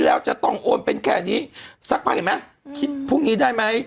แล้วสักพักคิดพรุ่งนี้ได้ไหม